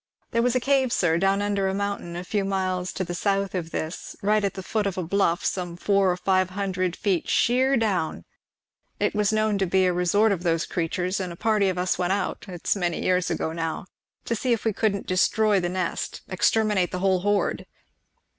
There was a cave, sir, down under a mountain a few miles to the south of this, right at the foot of a bluff some four or five hundred feet sheer down, it was known to be a resort of those creatures; and a party of us went out, it's many years ago now, to see if we couldn't destroy the nest exterminate the whole horde.